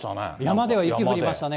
山では雪降りましたね。